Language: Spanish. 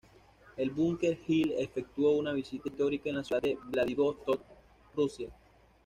El Bunker Hill efectuó una visita histórica a la ciudad de Vladivostok, Rusia.